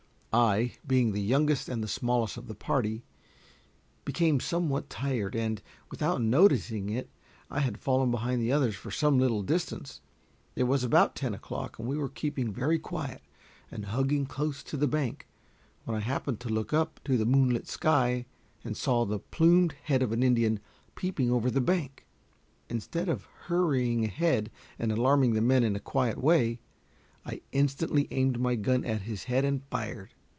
I, being the youngest and smallest of the party, became somewhat tired, and, without noticing it, I had fallen behind the others for some little distance. It was about ten o'clock, and we were keeping very quiet and hugging close to the bank, when I happened to look up to the moonlit sky and saw the plumed head of an Indian peeping over the bank. Instead of hurrying ahead and alarming the men in a quiet way, I instantly aimed my gun at his head and fired.